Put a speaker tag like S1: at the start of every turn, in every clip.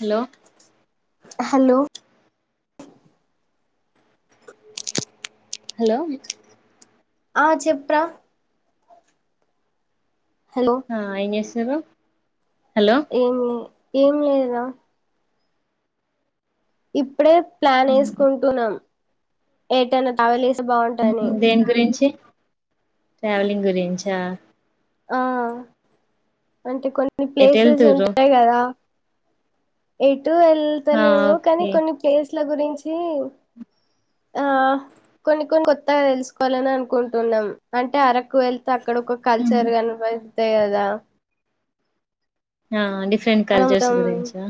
S1: Hello
S2: hello
S1: hello
S2: ఆ చెప్రా
S1: ఆ ఏం చెస్తున్నావ్ హలో
S2: ఏమ్ లే లేదా ఇప్పుడే ప్లాన్ యెసుకుంటున్నాం ఏటైనా తగాలే
S1: దేని గురించి ట్రావెలింగ్ గురించా
S2: ఆ అంటే కొన్ని
S1: ఎటు
S2: ప్లేసెస్
S1: వెళ్తుర్రు
S2: ఉంటాయి గదా యైట్ ఎటూ
S1: ఆ
S2: ఎల్తలేము కానీ
S1: ఓకే
S2: కొన్ని ప్లేస్ల గురించి చీ ఆ కొన్ని కొన్ని కొత్తగా తెలుసుకోవాలని అనుకుంటున్నాం అంటే అరకు వెళ్తే అక్కడ ఒక కల్చ అంతే కదా
S1: ఆ డిస్ ట్రెండ్
S2: అక్కడ
S1: కల్చర్స్
S2: మొత్తం
S1: గురించా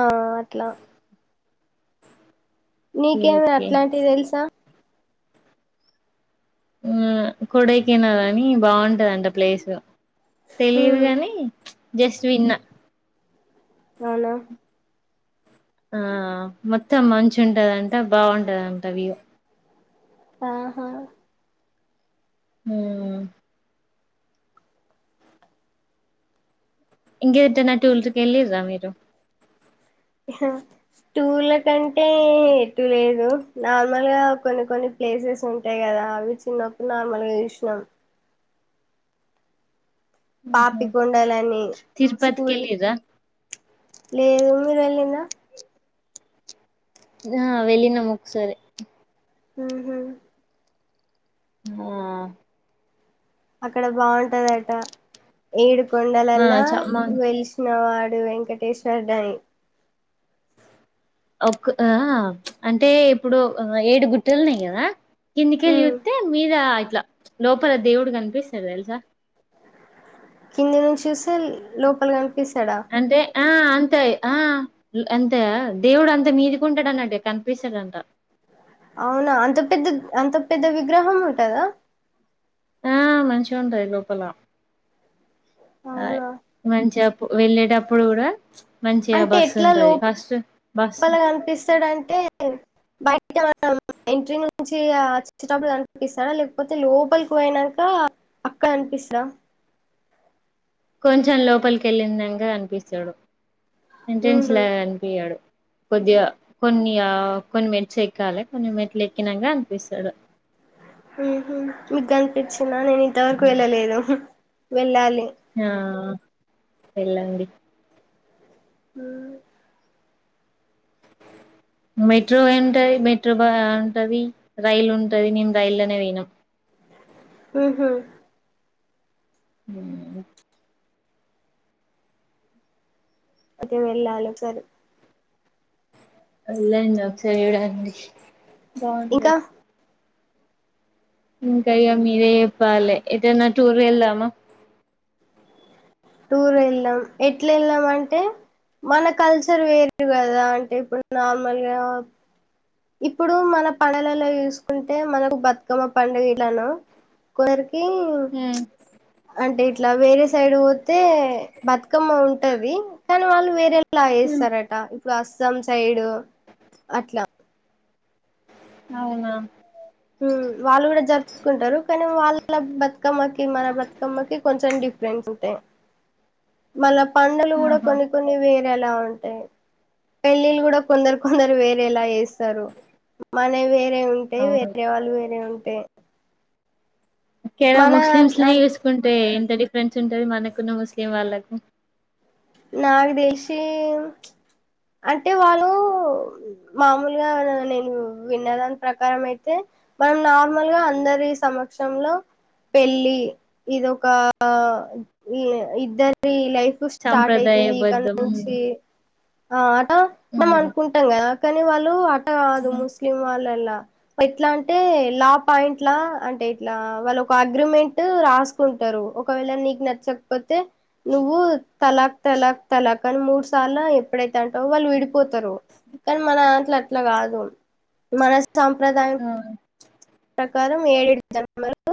S2: ఆ అట్లా
S1: ఓకే
S2: నీకేమి
S1: ఓకే
S2: అట్లాంటివి తెలుసా
S1: ఆ కొడైకెనాలని బావుంటదంట ప్లేసు తెలీదు
S2: ఉమ్,
S1: గని జస్ట్ విన్న
S2: అవునా
S1: ఆ మొత్తం మంచి ఉంటదంట బాగుంటదంట వ్యూవ్
S2: ఆహా
S1: హ్మ్ ఇంకేట నా టూల్స్ వెళ్ళిండ్రా మీరు
S2: టూర్ల కంటే ఎటు లేదు నార్మల్ గా కొన్ని కొన్ని ప్లేసెస్ ఉంటాయి కదా అవి చిన్నప్పుడు నార్మల్ గా చూసినాము పాపికొండలని
S1: తిరుపతికి
S2: స్కూల్
S1: వెళ్ళిర్రా
S2: లేదు మీరు వెళ్ళిండ్రా
S1: ఆ వెళ్లినము ఒకసారి
S2: ఉహు
S1: ఆ
S2: అక్కడ బాగుంటదట ఏడు
S1: ఆ
S2: కొండలల్ల
S1: చ
S2: వెలిసిన వాడు డు వెంకటేశ్వర్ డనీ
S1: ఒక ఆ అంటే ఇప్పుడు ఏడు గుట్టలున్నాయి గదా కిందకి వెళ్లి
S2: ఉమ్
S1: చూతె మీద అట్లా లోపల దేవుడు కనిపిస్తాడు తెల్సా
S2: కింది నుంచి చూస్తే లోపల కనిపి కనిపిస్తాడా
S1: అంటే ఆ అంతే ఆ అంతే దేవుడు అంతే మీదికుంటాడు అన్నట్టు కనిపిస్తాడంత
S2: అవునా అంత పెద్ద అంత పెద్ద విగ్రహం ఉంటదా
S1: ఆ మంచిగా ఉంటది లోపలా ఆ
S2: అవునా
S1: మంచిగా చెప్పు వెళ్ళేటప్పుడు కూడా మంచిగా
S2: అంటే
S1: బస్సు
S2: ఎట్లా
S1: ఉంటది
S2: లోప
S1: ఫస్ట్ బస్సు
S2: పల కనిపిస్తాడంటే బయ అయితే మనం ఎంట్రీ నుంచి ఆ వచ్చేటపుడు అనిపిస్తాడా లేకపోతే లోపలికి పోయినాక అక్కడ అనిపిస్తడా
S1: కొంచెం లోపలికెళ్ళందంగా అనిపిస్తాడు ఎంట్రన్స్
S2: ఉహు
S1: ల కనిపియ్యడు కొద్దిగా కొన్ని కొన్ని మిట్స్ ఎక్కాలి కొన్ని మిట్లు ఎక్కినాక అనిపిస్తాడు
S2: మికు కనిపించిన నేను ఇంతవరకు వెళ్ళలేదు వెళ్ళాలి
S1: ఆ వెళ్లండి
S2: హ
S1: మెట్రో ఉంటది మెట్రో బా ఉంటది రైల్ ఉంటది నేను రైల్నే పోయినం
S2: హ్మ్ హ్మ్
S1: హ్మ్
S2: అదే వెళ్లాలి ఒకసారి
S1: వెళ్ళండి ఒక్కసారి చూడండి
S2: ఇంకా
S1: బాగుంటది ఇంకా ఏం మీరే చెప్పాలి ఎటైనా టూర్ వెళ్దామా
S2: టూర్ వెళ్దాం ఎట్లా వెళ్ళాం అంటే మన కల్చర్ వేరు కదా అంటే ఇప్పుడు నార్మల్గా ఇప్పుడు మన పండలలో చూసుకుంటే మనకు బతుకమ్మ పండుగ ఎలానో కోరిక
S1: హ్మ్
S2: అంటే ఇట్లా వేరే సైడ్ పోతే బతుకమ్మ ఉంటది కానీ వాళ్ళు వేరే ఇలా
S1: హ్మ్
S2: వేస్తారట ప్రస్సం సైడ్ అట్లా
S1: అవునా
S2: వాళ్ళు కూడా జరుపుకుంటారు కానీ వాళ్ళకి బతుకమ్మ మన బతుకమ్మకి కొంచెం డిఫరెన్స్ ఉంటాయి మళ్ళా పంటలు కూడా
S1: ఆహా
S2: కొన్ని కొన్ని వేరు ఎలా ఉంటాయి పెళ్ళిళ్ళు కూడా కొందరు కొందరు వేరే ఎలా వేస్త మన వేరే ఉంటే
S1: అవును
S2: వేరే వాళ్ళు వారే ఉంటే
S1: ఒకేలా ముస్లిమ్స్ నీ
S2: నా-
S1: చేసుకుంటే డిఫ్రెంట్స్ ఉంటది మనకున్న ముస్లిం వాళ్ళకు
S2: నాకు తెలిసి అంటే వాళ్ళు మామూలుగా నేను విన్నదాని ప్రకారం అయితే మనం నార్మల్గా అందరి సమక్షంలో పెళ్ళి ఇదొక ఇద్దరి లైఫ్ స్టార్ట్ అయితుంది ఇక
S1: సంప్రదాయబద్ద్ద
S2: నుంచి ఆ మనం అనుకుంటాంగా కానీ వాళ్ళు అదు ముస్లిం వాళ్ళ, ఎట్లా అంటే లా పాయింట్ లా అంటే ఇట్లా వాళ్ళు ఒక అగ్రిమెంట్ రాసుకుంటారు. ఒకవేళ నీకు నచ్చకపోతే నువ్వు. తలాక్ తలాక్ తలాక్ అని మూడు సార్లు ఎప్పుడైతే అంటా వాళ్ళు విడి పోతారు కానీ మన అట్లా అట్లా కాదు మన సాంప్రదాయం
S1: ఆ
S2: ఈ ప్రకారం ఏడు జన్మలు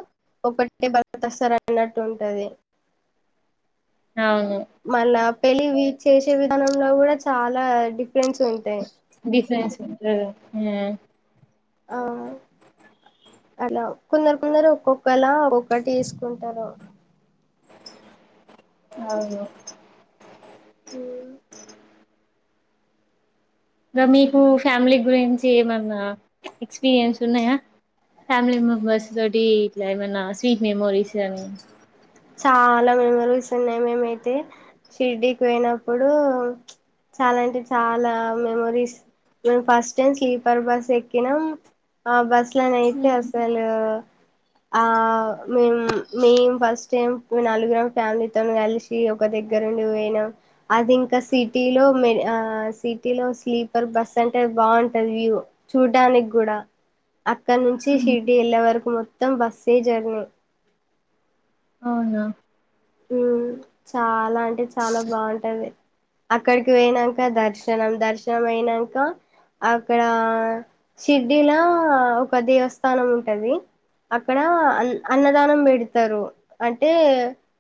S2: ఒకటే భర్తవస్తాడు అనట్టుంటంది.
S1: అవును
S2: మళ్ళా పెళ్లి వి చేసే విధానంలో కూడ చాలా డిఫ ఫ్రెండ్స్ ఉంటాయి.
S1: స స
S2: ఆ అలా కుందరు కుందరు ఒక్కొక్కలా ఒక్కొక్కటి తీసుకుంటారు.
S1: అవును ఇ మీకు ఫ్యామిలీ గురించి ఏమన్నా ఎక్స్పీరియన్స్ ఉన్నాయా. ఫ్యామిలీ మెంబర్స్ తోటి ఇట్లా ఏమైన్నా స్వీట్ మెమోరీస్ అని
S2: చాలా మెమరీస్ ఉన్నాయి. మేముయితే షిర్డి కి పోయినప్పుడ,. చాలాంటే చాలా మెమరీస్ మేము ఫస్ట్ టైం స్లీపర్ బస్ ఎక్కినాం ఆ బస్ ఇలా నతే అసలు ఆ మేము మే ఫస్ట్ నాలుగురు ఫ్యామిలీతో కలిసి ఒక దగ్గరుండి పోనాం. అది ఇంకా సిటీలో మ సిటీ లో స్లీపర్ బస్ అంటే బాగుంటది. వ్యూ చూడ్టడానికి కూడా అక్కడ నుంచి షిర్డి వెళ్ళే వరకు మొత్తం మొత్తం బస్ జెర్నీ
S1: అవునా
S2: చాల అలా అంటే చాలా బాగుంటాది. అక్కడికి వెయినాక దర్శనం దర్శనం అయినాక అక్కడ షిర్డలా ఒక దేవస్థానం ఉంటది. అక్కడ అ అన్నదానం పెడతారు. అంటే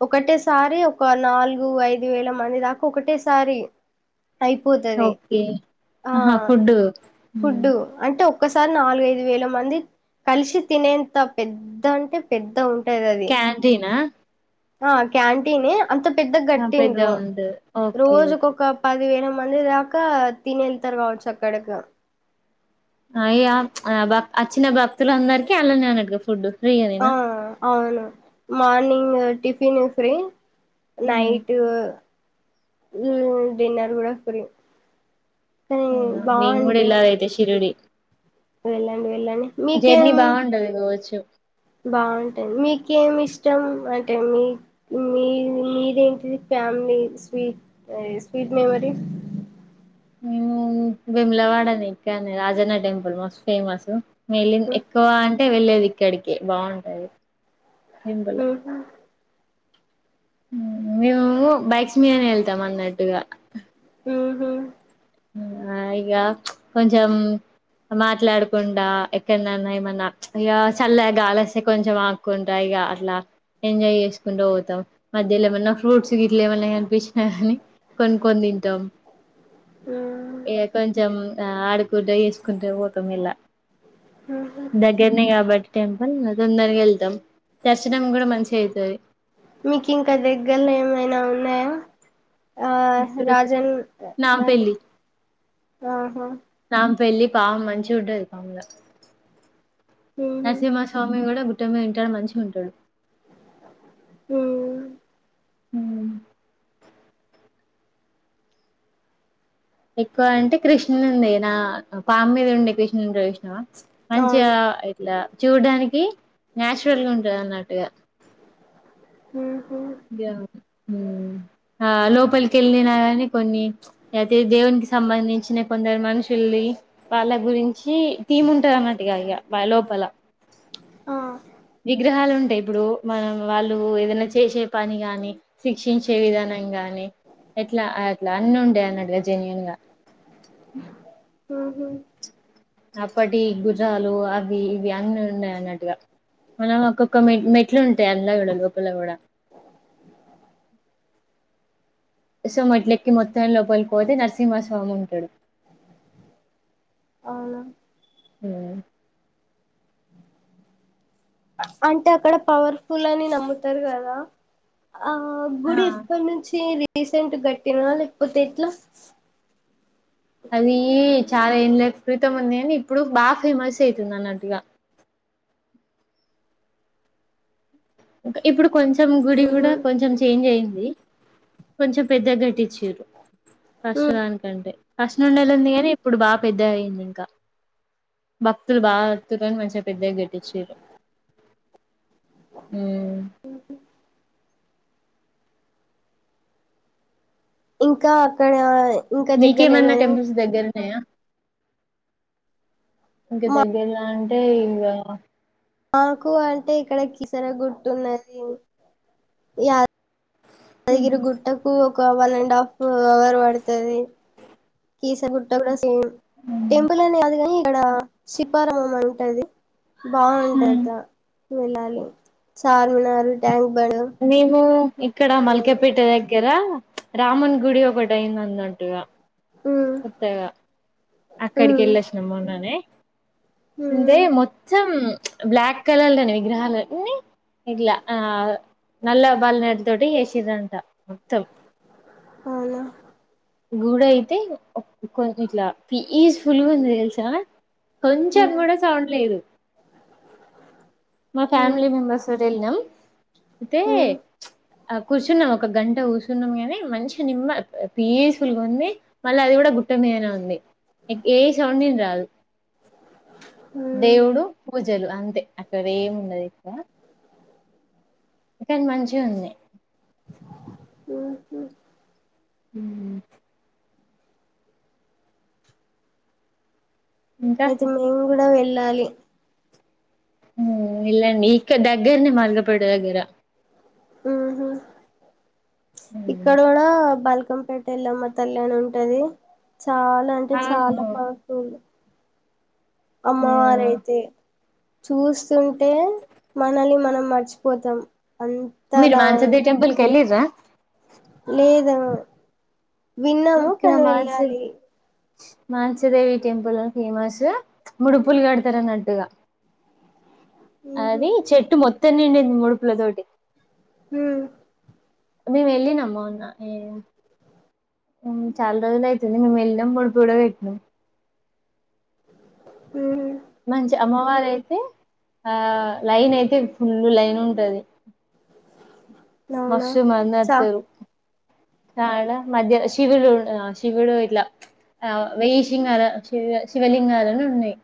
S2: ఒకటిసారి ఒక నాలుగు ఐదు వేల మంది దాకా ఒకటేసారి అయిపోతుది.
S1: ఓకే
S2: ఆ
S1: ఆహా ఫుడ్
S2: ఫుడ్డు అంటే ఒక్కసారి నాలుగుఐదు వేల మంది కలిసి తినేంత పెద్ద అంటే పెద్ద ఉంటు
S1: క్యాంటీనా
S2: ఆ క్యాంటీన్ అంత పెద్ద
S1: పెద్దగా
S2: గట్టిండ్రు
S1: ఉంటది ఓకే
S2: రోజుక
S1: ఓకే
S2: ఒక పదివేల మంది దాకా తనిళ్తారు కావచ్చు అక్కడకి
S1: అయ్యా ప్చ్ అచ్చిన భక్తులు అందరికి అళ్లానే అనటుగా ఫుడ్ ఫ్రీగా
S2: ఆ
S1: నేనా
S2: అవును morning tiffin free night um dinner కూడా పురి
S1: అవునా
S2: వెళ్ళండి వెళ్ళండి
S1: జర్నీ
S2: మీకేం
S1: బాగుంటది కావచ్చు
S2: మీకేమి ఇష్టం అంటే మీ మీ మీదేంటిది ఫ్యామిలీ స్వీట్ స్వీట్ మెమొరీ
S1: ఉమ్ బిములావాడానికానే రాజన్న టెంపుల్ మస్తు ఫేమస్ మేలిన్
S2: ఉహు
S1: ఎక్కువ అంటే వెళ్లేది ఇక్కడికే బాగుంటాది
S2: ఉహు
S1: మేము బైక్సు మీద వెళ్తాం అన్నట్టుగా
S2: ఉహు ఉహు
S1: ఆ ఇగ ప్చ్ కొంచెం మాట్లాడకుండా ఎక్కన్నన్నా ప్చ్ ఏమన్నా ఇక చల్లగాలిస్తే కొంచెం ఆకుకుంటా ఇక అట్లా ఎంజాయ్ చేసుకుంటూ పోతాం మధ్యలో ఏమన్నా ఫ్రూట్స్ గిట్లు ఏమన్నా కనిపించినా కాని కొనుకొని తింటాం ఏ కొంచం ఆ ఆడుకుంట వేసుకుంట పోతాం ఇలా
S2: ఉహు
S1: దగ్గరనే కాబట్ టెంపుల్ దొందరగా వెళ్తాం దర్శనం కూడా మంచిగ అయితది
S2: మీకు ఇంకా దగ్గర్లో ఏమైనా ఉన్నాయా ఆ
S1: ఇప్పుడు
S2: రాజన్ అంటే ఆహా
S1: నా పెళ్ళి పా మంచికుంటది పంఇంగ
S2: ఉహు
S1: నరసింహ స్వామి కూడా గుట్ టమ వింటాడు మంచిగ ఉంటాడు
S2: ఆ
S1: హ ఎక్కువ అంటే కృష్ణునుడిదినా పామ్ మీద ఉండే కృష్ణుడంటే ఇష్టమా మంచిగా
S2: అవును
S1: ఇట్లా చూడ్డానికి నాచురల్ గా ఉంటది అన్నట్టుగా
S2: ఉహు
S1: ఆ లోపలికి వెళ్ళినా కానీ కొన్ని ప్చ్ అయితే దేవునికి సంబంధించిన కొందరు మనుషుల్ని, వాళ్ళ గురించి థీమ్ ఉంటది అన్న మాటిగా ఇగ వా లోపల
S2: ఆ
S1: విగ్రహాలు ఉంటాయి, ఇప్పుడు మనం వాళ్ళు ఏదైనా చేసే పని గాని శిక్షించే విధానం గాని ఎట్లా అట్లా అన్ని ఉంటాయి అన్నట్గా జెన్యుూన్ గా,
S2: ఆహ
S1: అప్పటి గుజాలు అవి ఇవి అన్నీ ఉన్నాయి, అన్నట్టుగా మనం ఒక్కొక్క మె మెట్లు ఉంటాయి, అందులో కూడా లోపల కూడా సో మెట్లెక్కి మొత్తం లోపలికి పోతే నరసింహస్వామి ఉంటడు
S2: అవును
S1: ఉమ్
S2: అంటే అక్కడ పవర్ ఫుల్ అని నమ్ముతారు కదా ఆ గుడి
S1: ఆ
S2: ఏప్పటి నుంచి రీసెంట్ కట్టినా లేకపోతే ఎట్లా
S1: అదీ చాలా ఏండ్ల క్రితం ఉంది కానీ ఇప్పుడు బా ఫేమస్ ఐతుందన్నట్టుగా ఇప్పుడు కొంచెం గుడి కూడా
S2: ఉహు
S1: కొంచెం చేంజ్ అయింది కొంచెం పెద్ద కట్టిచ్చి
S2: ఉ
S1: ఫష్ట్ దానికంటే ఫష్ట్ నుండెళ్ళింది కానీ ఇప్పుడు బా పెద్దగయ్యిందింక భక్తులు బా వత్తుదని మంచిగా పెద్దగా గట్టిచ్చిర్రు మ్
S2: ఇంకా అక్కడ ఇంకా దగ్గర
S1: మీకేమన్నా
S2: ఏమైనా
S1: టెంపుల్స్ దగ్గరున్నాయా ఇంక
S2: మా
S1: దగ్గర్లో అం టే ఇంగ
S2: మాకు అంటే ఇక్కడ కిసర గుట్టున్నది ఇయ దగిరిగుట్టకు ఒ ఒక వన్ అండ్ హాఫ్ అవర్ పడుతది కీస గుట్ట కూడా సేమ్
S1: మ్మ్
S2: టెంపుల్ అని కాదు కాని ఇక్కడ శిల్పారామం అని టది బావుంటద వెళ్ళాలి చార్మినారు ట్యాంక్ బండ్
S1: నీకు ఇక్కడ మల్కపేట దగ్గర రాముని గుడి ఒకటైయిందన్నటుగా
S2: హ్మ్
S1: సతేగా
S2: హ్మ్
S1: ఇచ్చే
S2: హ్మ్
S1: మొత్తం బ్లాక్ కలర్లుని విగ్రహాలు అన్ని ఇట్లా ఆ నల్ల బాలనాటి తోటి చేసిరంత
S2: అవునా
S1: గుడి అయితే కొంచెం ఇట్లా పీస్ఫుల్గా ఉంది తెలుసా కొంచెం
S2: హ్మ్
S1: కూడా సౌండ్ లేదు మా
S2: హ్మ్
S1: ఫ్యామిలీ మెంబెర్స్ కూడా వెళ్ళినాం ఐతే
S2: హ్మ్
S1: ఆ కూర్చున్నాం ఒక గంట కూర్చున్నాం గాని మంచి నిమ్మ పీస్ఫుల్గా ఉంది మళ్ళ అది కూడా గుట్ట మీదనే ఉంది ఏ సౌండ్ విన రాదు
S2: హ్మ్
S1: దేవుడు పూజలు అంతే అక్కడ ఏముండదు ఎక్కువ కానీ మంచిగుంది
S2: ఆహా
S1: హు ఇంకా
S2: అయితే మేం కూడా వెల్ వెళ్ళాలి
S1: ఉమ్ వెళ్ళండి ఇక్క దగ్గరనే మల్గపేట దగ్గర
S2: ఉహూ
S1: ఉమ్
S2: ఇక్కడ కూడా బాల్ బల్కంపేట ఎళ్లమ్మ తల్లి అని ఉంటది చాలా అంటే చాలా
S1: అవును
S2: పవర్ ఫూల్ అమ్మవారయితే చూస్ స్తుంటే మనల్ని మనం మర్చి పోతాం
S1: మీరు మాన్సదే టెంపుల్ కి వెళ్ళిర్రా
S2: లేదా విన్నాము కానీ వెళ్ళాలి
S1: మానసిదేవి టెంపుల్ ఫేమస్ ముడుపులు కడతారు అన్నట్టుగా
S2: ఉహు
S1: అది చెట్టు మొత్ త్తం నిండింది ముడుపుల తోటి
S2: హుమ్
S1: మేము వెళ్ళినం మొన్న ఉమ్ చాలా రోజులు అయితుంది మేము వెళ్ళినం ముడుపు కూడా కట్టినాం
S2: ఉహుమ్
S1: మంచి అమ్మవారయితే ఆ లైన్ అయితే ఫుల్ ఫుల్ లైన్ ఉంటాది
S2: అవునా
S1: మక్షు మ
S2: చ
S1: నతరు చడ మధ్య శివుడు ఆ శివుడు ఇట్లా ఆ వెయ్య శింగా శివ శివలింగాలును ఉన్నాయి.